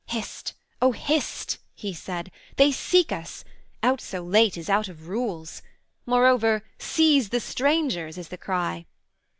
'Hist O Hist,' he said, 'They seek us: out so late is out of rules. Moreover "seize the strangers" is the cry.